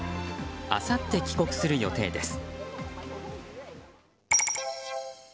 あさって帰国する予定です。